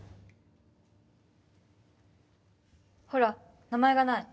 ほら名前がない。